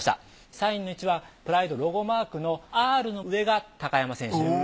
サインの位置はプライドロゴマークのＲの上が高山選手。